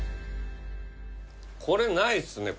これないですね